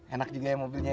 enak juga ya mobilnya ya